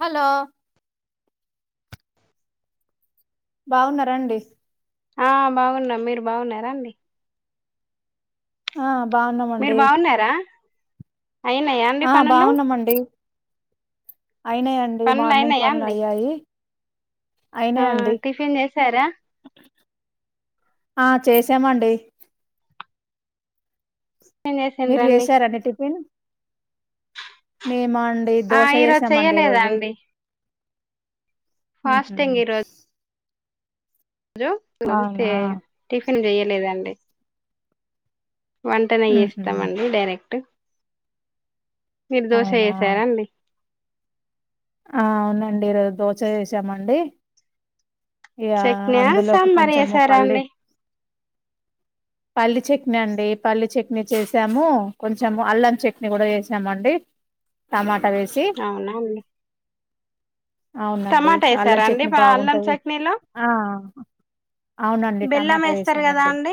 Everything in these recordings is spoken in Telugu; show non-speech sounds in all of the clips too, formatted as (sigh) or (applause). హలో (inaudible) బాగున్నరాండి. ఆ బాగున్నం. మీరు బాగున్నరాండి? ఆ మీరు బాగున్నామండి బావున్నరా? ఆ బావున్నమండి. అయినయి అండి పనులు మార్నింగ్ అయినాయా పనులు అండి అయ్యాయి. ఆ అయినాయండి టిఫిన్ చేసారా? ఆ చేసామండి. టిఫిన్ మీరు చేసిండ్రండి చేసారా అండి టిఫిన్? మే మా అండి ఆ దోశ ఈరోజు చేసామండి చెయ్యలేదా ఈరోజు. అండి హుహ్ ఫాస్టింగ్ ఈ రోజు చే అవునా టిఫిన్ చెయలేదండి. వంటనే ఉహు చేస్తమండి డైరెక్ట్. మీరు దోశ అవునా చేసారా అండి. ఆ అవునండి ఈరోజు దోశ చేసామండి. యా చట్నీ అందులోకి సాంబార్ కొంచెము చేసారా పల్లి అండి పల్లీ చట్నీ అండి. పల్లీ చట్నీ చేసాము, కొంచెము అల్లం చట్నీ కూడా చేసామండి. టమాట అవునా అండి. అవునండి, టమాటా అల్లం వేసారా అండి చట్నీ ప అల్లం బాగుంటది. చట్నీలో ఆ అవునండి బెల్లం టమాటా వేస్తారు కదా వేసానండి. అండి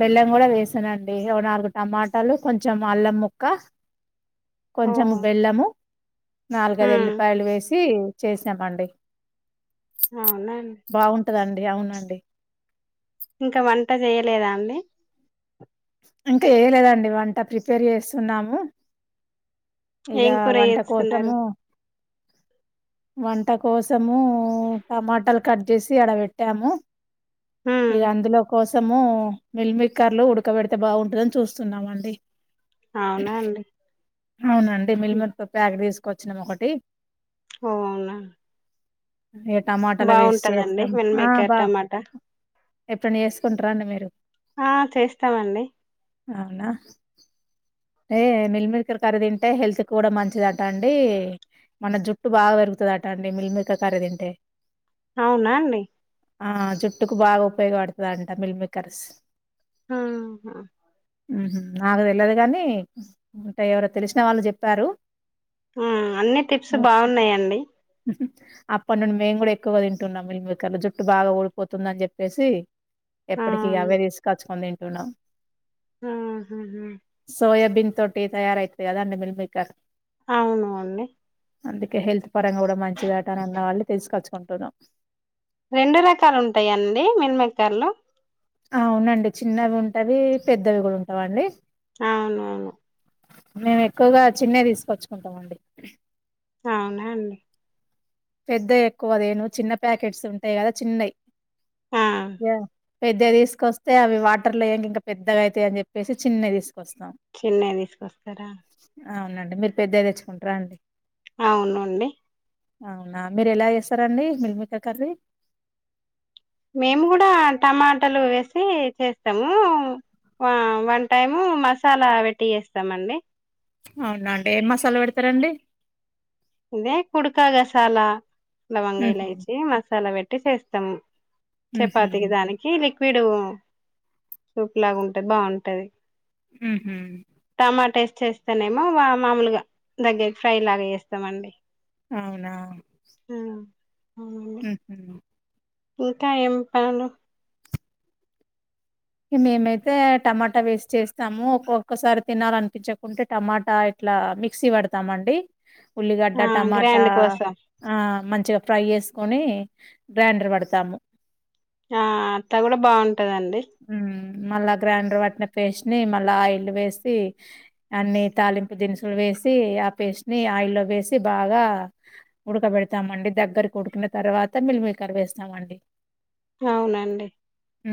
బెల్లం కూడా వేసానండి. ఒక నాలుగు టమాటాలు, కొంచెం అల్లం ముక్క ఓ కొంచెము బెల్లము, నాలుగైదు ఉమ్, ఎల్లిపాయలు వేసి చేసామండి. అవునా ఉంటదండి అవునండి. లేదా అండి. ఇంకా ఏయలేదండి వంట ప్రిపేర్ చేస్తున్నాము. ఇగా ఏం కూర వంట చేస్తున్నారు కోసము వంట కోసము టమాటలు కట్ చేసి ఆడ పెట్టాము. హ్మ్ ఇగ అందులో కోసం సము మిల్మిక్కర్లు ఉడకబెడితే బాగుంటదని చూస్తున్నాము అండి. అవునా అండి. అవునండి మిల్మికర్ ప్యాక్ తీసుకొచ్చినము ఒకటి. ఓ అవునా ఇగ టమాటాల వేసి బావుంటదండి చేస్తాం. ఆ మిల్మేకర్ బా టమాటా ఎప్పుడన్నా చేసుకుంటరా అండి మీరు? ఆ చేస్తమండి. అవునా. ఏ మిల్లిమిల్కల కర్రీ తింటే హెల్త్ కూడా మంచిదటా అండి. మన జుట్టు బాగా పెరుగుతది అట అండి మిల్మికర్ కర్రి తింటే. అవునా అండి. ఆ జుట్టుకు బాగా ఉపయోగపడుతది అంట మిల్మికర్స్. ఆహా హుహ్ నాకు తెలవదు కని అంటే ఎవరు తెలిసిన వాళ్ళు చెప్పారు. ఆ అన్ని టిప్స్ బాగున్నయండి. అప్పటి నుండి మేము కూడా ఎక్కువగా తింటున్నం మిల్మికర్లు జుట్టు బాగా ఊడిపోతుంది అని చెప్పేసి. ఎప్పటికిీ ఇగా అవును. అవే తీసుకొచ్చుకొని తింటున్నం. ఆహాహా సోయాబీన్ తోటి తయారయితది కదా అండి మిల్మికర్స్. అవును అండి. అందుకే హెల్త్ పరంగా కూడా మంచిదట అని అన్నవాళ్ళు తిసుకొచ్చుకుంటున్నాం. రెండు రకాలు ఉంటాయా అండి మిల్ మేకర్లు అవునండి చిన్నవి ఉంటవి పెద్దవి కూడా ఉంటావి అండి అవునవును మేము ఎక్కువగా చిన్నవి తీసుకొచ్చుకుంటామండి. అవునా అండి పెద్దవి ఎక్కువదేను చిన్న ప్యాకెట్స్ ఉంటాయి కదా చిన్నయి ఆ! పెద్దయి తీసుకొస్తే అవి వాటర్లో ఎయంగా ఇంకా పెద్దగా అయితాయి అని చెప్పేసి చిన్నయి తీసు చిన్నయి తీసుకొస్తారా అవునండి మీరు పెద్దయి తెచ్చుకుంటారా అండి అవునండి అవునా మీరు ఎలా చేస్తారండి మిల్ మేకర్ కర్రీ మేము కూడా టమాటాలు వేసి చేస్తాము వ వన్ టైము మసాలా పెట్టి చేస్తామండి అవునా అండి ఏం మసాలా పెడతారండి ఇదే కుడకా గసాలా లవంగా హుహ్ ఇలైచి మసాలా పెట్టి చేస్తం. చపాతికి హుహ్ దానికి లిక్విడ్ సూప్ లాగా ఉంటది బావుంటది. హు హుమ్ చేస్తానేేమో వా మామూలుగా దగ్గరికి ఫ్రై లాగ చేస్తామండి. అవునా అవునండి హు ఉమ్ ఇంకా ఏం పనులు మేమైతే టమాటా వేసి చేస్తాము ఒక్కొక్కసారి తినాలి అనిపించకుంటే టమాటా ఇట్లా మిక్సీ వడతామండి ఉల్లిగడ్డ ఆ టమాటా గ్రాండ్ కోసం ఆ మంచిగా ఫ్రై చేసుకొని గ్రైండర్ వడుతాము. ఆ అట్ల కూడా బాగుంటదండి. హ్మ్. మళ్ళా గ్రైండర్ వట్టిన పేస్ట్ ని మళ్ళా ఆయిల్ వేసి అన్ని తాలింపు దినుసులు వే సి ఆ పేస్ట్ ని ఆయిల్లో వేసి బాగా ఉడకబెడతామండి దగ్గరకు ఉడికిన తర్వా తర్వాత మిల్ మేకర్ వేస్తామండి అవునాండి ఉ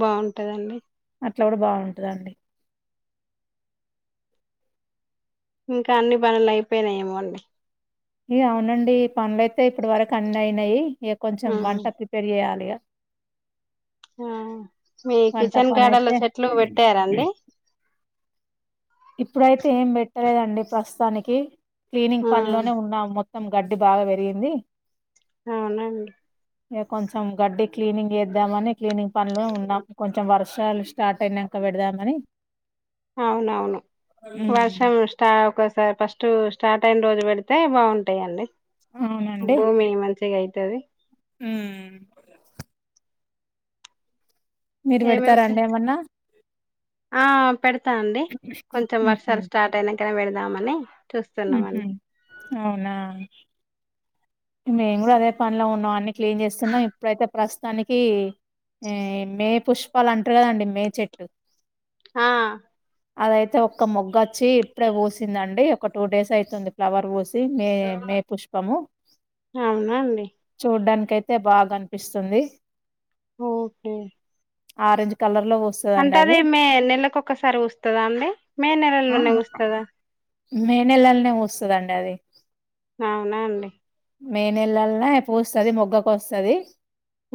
బాగుంటదా అండి అట్లా కూడా బావుంటదా అండి ఇంకా అన్ని పనులు అయిపోయినాయేమో అండి ఇ అవునండి పనులయితే ఇప్పడు వరకు అన్ని అయినాయి ఇక కొంచెం ఆ వంట ప్రిపేర్ చెయ్యాలి ఇగా ఆ మీ వంట కిచెన్ గార్డెన్ లో పనైతే చెట్లు పెట్టారా అండి ఇప్పుడైతే ఏం పెట్టలేదండి ప్రస్తుతానికి క్లీనింగ్ ఆ పనిలోనే ఉన్నాం మొ త్తం గడ్డి బాగా పెరిగింది అవునా అండి ఇగ కొంచెం గడ్డి క్లీనింగ్ చేద్దామని క్లీనింగ్ పనులో ఉన్నాం కొంచెం వర్షాలు స్టార్ట్ అయినాంక వె పెడుదామని అవునవును హ్మ్ వర్షం స్టా ఒక ఫస్ట్ స్టార్ట్ అయిన రోజు పెడితే బాగుంటాయిండి భూమి మంచిగా అయి తది హుమ్ మీరు ఏమేమి చే పెడతారాండి ఏమన్నా ఆ పెడతా అండి కొంచం వర్షాలు స్టార్ట్ అయినాంకనే పెడదామని ఉ హు చూస్తున్నామండి అవునా మేము కూడా అదే పనిలో ఉన్నాం అన్ని క్లీన్ చేస్తున్నాం ఇప్పుడైతే ప్రస్తుతానికి ఏ మే పుష్పాలు అంటారు కదండి మే చెట్టు ఆ అదైతే ఒక్క మొగ్గొచ్చి, ఇప్పుడే పూసిందండి, ఒక టూ డేస్ అయితుంది. ఫ్లవర్ పూసి ఇది, మే మే పుష్పము అవునా అండి చూడ్డానికి అయితే, బాగా అనిపిస్తుంది. ఓకే ఆరంజ్ కలర్ లో అంటే, పూస్తదండి అది మే నెలకు ఒక్కసారి పూస్తదా, అండి మే ఆ, నెలలోనే పూస్తదా? మే నెలలనే పూస్తదండి. అది అవునా అండి మే నెలలన పూస్తది. మొగ్గకు వస్తది.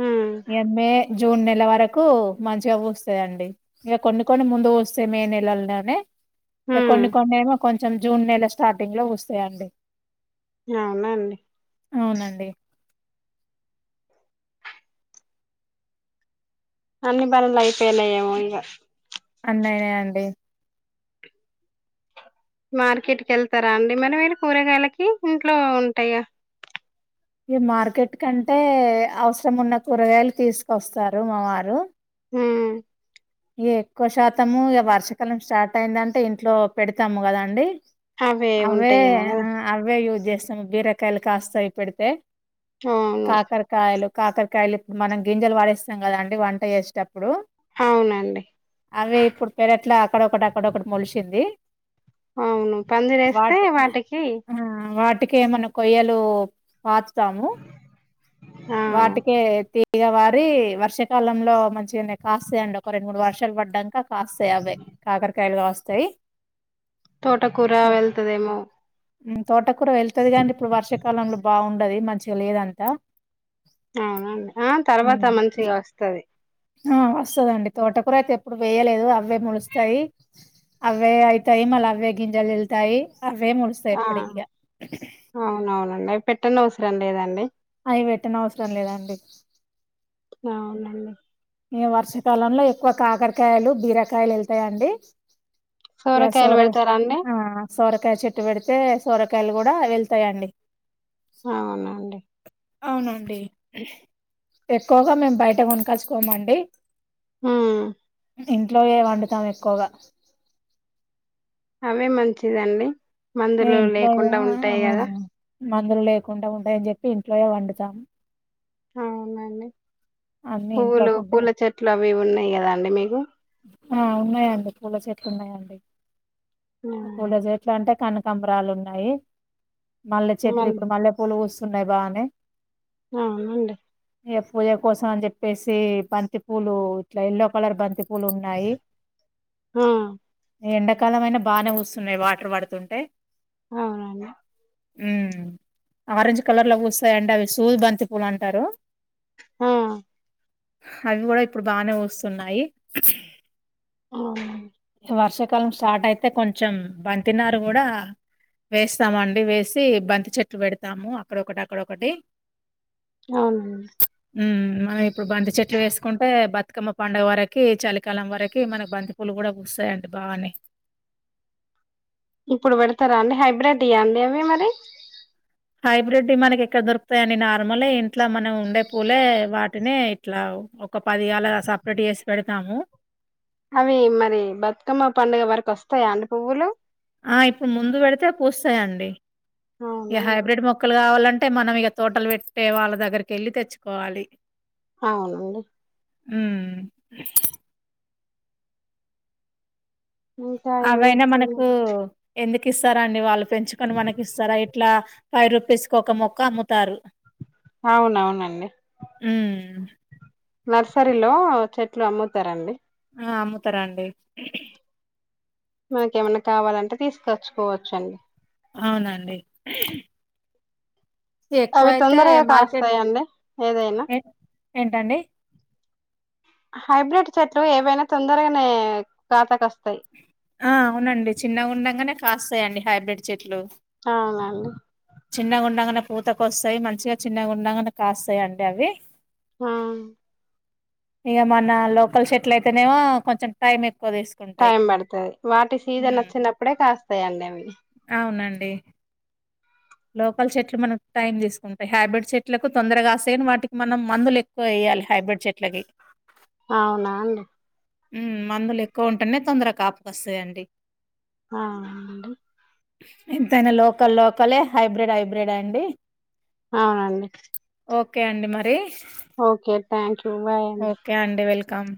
ఉమ్ మే జూన్ నెల వరకు మంచిగా పూస్తాయండి. ఇక కొన్ని కొన్ని ముందు పూస్తాయి. మే నెలల్లోనే ఇక ఉమ్ కొన్ని కొన్నేమో, కొంచెం జూన్ నెల స్టార్టింగ్ లో పూస్తాయండి. అవునా అండి అవునండి అన్ని పనులు అయిపోయనా, ఎమేగా ఇగా అన్ని అయిన అండి. మార్కెట్కి వెళ్తారా అండి, మరి మీరు కూరగాయలకి ఇంట్లో ఉంటాయ. ఈ మార్కెట్ కంటే, అవసరం ఉన్న కూరగాయలు తీసుకొస్తారు. మా వారు ఉమ్ ఇ ఎక్కువ శాతము, ఇగా వర్షాకాలం స్టార్ట్ అయిందంటే, ఇంట్లో పెడతాము కదండి అవే ఉంటాయేమో కదా ఆ అవే యూస్ చేస్త బీరకాయలు కాస్తవి పెడితే, అవును కాకరకాయలు కాకరకాయలు ఇప్పుడు, మనం గింజలు పడేస్తాం కదాండి వంట చేసేటప్పుడు. అవునండి అవి ఇప్పుడు పెరుట్లా, అక్కడొ ఒకటి అక్కడొ ఒకటి ములిసింది. అవును పందిరేస్తే వాట్ అ వాట్ వాటికి వాటికేఏమన్నా, కొయలు పాతుతాము, ఆ వాటికె తీ తీగ పారి, వర్షాకాలంలో మంచిగనే కాస్తే అండి. ఒక రెండు మూడు వర్షాలు పడ్డాక కాస్తాయి. అవే కాకరకాయలు కాస్తాయి. తోటకూర వెళ్తదేమో. తోటకూర వెళ్తది కానీ, ఇప్పుడు వర్షాకాలంలో బాగుండది. మంచిగా లేదంతా. అవునండి, ఆ తర్వాత హ్మ్. మంచిగా వస్తది. ఆ వస్తదండి. తోటకూర అయితే ఎప్పుడు వేయలేదు. అవే మొలుస్తాయి. అవే అయితాయి. మళ్ళా అవ్వే గింజలు ఎళ్తాయి. ఆ అవునవునండి, అవి పెట్టనవసరం లేదండి. అవి పెట్టనవసరం లేదండి. అవునండి. ఇగా వర్షాకాలంలో ఎక్కువ కాకరకాయలు, బీరకాయలు వెళ్తాయండి. ఎ సోరకాయలు సోర పెడతారా అండి ఆ సోరకాయ చెట్టు పెడితే, సోరకాయలు కూడా వెళ్తాయండి. అవునండి. అవునండి, ఎక్కువగా మేము బయట కొనుకోచ్చు కోమండి. ఉమ్ ఇంట్లోయే వండుతాం. ఎక్కువగా ఇవే మంచిదండి, ఇగ మందులు ఇంట్లోయే లేకుండా ఆ ఉంటాయి. గదా మందులు లేకుండా ఉంటాయని చెప్పి, ఇంట్లో వండుతాము. అవునండి, అన్ని ఇంట్లో పూలు ఫుడ్ పూల చెట్లు అవి ఉన్నాయి. గదా అండి మీకు. ఆ ఉన్నాయండి, పూల చెట్లు ఉన్నాయండి, అవునండి పూల చెట్లు అంటే. కనకంబరాలు ఉన్నాయి. మల్లె ఆ చెట్లు మల్ ఇప్పుడు మల్లె పూలు పూస్తున్నాయి. బాగానే అవునండి. ఏ పూజ కోసం అని చెప్పేసి బంతి పూలు ఇట్లా ఎల్లో కలర్ బంతి పూ బన్నాయి ఆ ఎండాకాలం అయినా బాగానే వస్తున్నాయి వాటర్ పడుతుంటే అవునండి ఆరెంజ్ కలర్ లో కూ వస్తాయంండి అవి సూద్ బంతి పూలు అంటారు హా అవి కూడా ఇప్పుడు బానే వస్తున్నాయి ఆ వర్షాకాలం స్టార్ట్ అయితే కొంచెం బంతినారు కూడా వేస్తామ అండి వేసి బంతి చెట్టు పెడతాము అక్కడొకటి అక్కడొకటి అవునడి మనం ఇప్పుడు బంతి చెట్లు వేసుకుంటే బతుకమ్మ పండుగ వరకి చలికాలం వరకి మనకి బంతి పూలు కూడా వస్తాయి అంట బానే ఇప్పుడు పెడతారా అండి హైబ్రిెడ్ ఇయా అండి అవి మరి హైబ్రిడ్ మనకి ఎక్కడ దొరుకుతాయిని నార్మలే ఇంట్లో మనం ఉండే పూలే వా అంటనే ఇట్లా ఒక పదిగాేల సపరేట్ చేసి పెడతాము అవి మరి బతుకమ్మ పండుగ వరకు వస్తాయా అందు పువ్వులు ఆ ఇప్పుడు ముందు పెడితే పూస్తాయంండి ఈ అవునా హైబ్రిడ్ మొక్కలు కావాలంటే అంటే మనం ఇక తోటలు పెట్టే వాళ్ళ దగ్గరికి వెళ్ళి తెచ్చుకోవాలి అాడి అ ఇంకా ఏం అవైనా మనకు చేస్తున్నారు ఎందుకు ఇస్తారా అండి వాళ్ళు పెంచుకొని మనకి ఇస్తారా ఇట్లా ఫైవ్ రూపీస్కి ఒక మొక్క అమ్ముతారు అవునవునండి హ్మ్. నర్సరీలో చెట్లు అమ్ముతారండి ఆ అమ్ముతారా అండి మనకి ఏమన్నా కావాలంటే తీసుకచ్చుకోవచ్చు అండి అవునండి అవి ఎక్కువైతే తొందరగా మార్కెట్ కాస్తాయండి ఏదైనా ఏ ఏంటండి? హైబ్రిడ్ చెట్లు ఏవైనా తొందరగానే తా కస్త ఆ అవునండి చిన్నగా ఉండగానే కాస్తాయండి హైబ్రిడ్ చెట్లు అ అండి చిన్నగాండగానే పూతక వస్తాయి మంచిగా చిన్నగాగుండగానే కాస్తాయి అండి అవి హ ఇక మన లోకల్ షెట్లు అయితేనేమో కొంచెం టైం ఎ టైం పడుతుది వాటి సీజన్ హ్మ్. వచ్చినప్పుడే కాస్తాయిండి అవి బ లోకల్ చెట్లు మనకు టైం తీసుకుంటాయి హైబ్రిడ్ చెట్లకు తొరగాస్తేయని వాటికి మనం మందులు ఎక్కువ అయ ల్ హైబ్రిడ్ చెట్లకి అవునా అండి మ్మ్ మందులు ఎక్కువ ఉంటానే తొందరగా కాపకొస్తాయంండి ఆ అవునండి ఎంతైనా లోకల్ లోకలే హైబ్రిడ్ హైబ్రిడ్ అండి అవునండి ఓకే అండి మరి ఓకే థ్యాంక్ యూ బాయ అండి కమ్